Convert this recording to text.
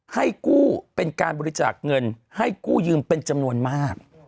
ให้กู้เป็นการบริจาคเงินให้กู้ยืมเป็นจำนวนมาก